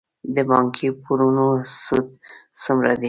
د بانکي پورونو سود څومره دی؟